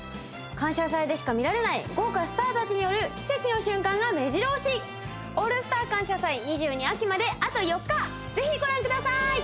「感謝祭」でしか見られない豪華スターたちによる奇跡の瞬間がめじろ押し「オールスター感謝祭’２２秋」まであと４日ぜひご覧くださーい